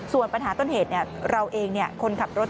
ส่วนปัญหาต้นเหตุเราเองคนขับรถ